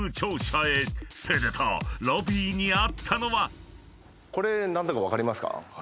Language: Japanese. ［するとロビーにあったのは］